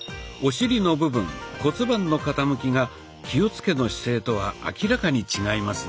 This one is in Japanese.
お尻の部分骨盤の傾きが気をつけの姿勢とは明らかに違いますね。